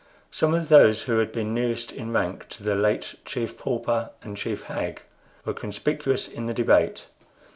Some of those who had been nearest in rank to the late Chief Pauper and Chief Hag were conspicuous in the debate.